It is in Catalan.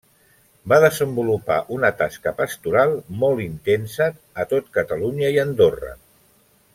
Va desenvolupar una tasca pastoral molt intensa a tot Catalunya i Andorra.